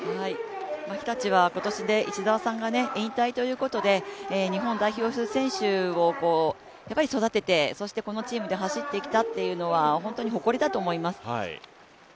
日立は今年で石澤さんが引退ということで、日本代表の選手を育ててそして、このチームで走ってきたことは誇りだと思います。